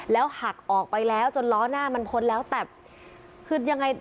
แล้วหักออกไปแล้วจนล้อหน้ามันพ้นแล้วแต่คือยังไง